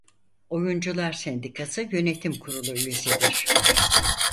Oyuncular Sendikası yönetim kurulu üyesidir.